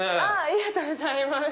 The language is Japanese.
ありがとうございます。